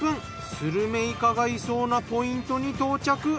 スルメイカがいそうなポイントに到着。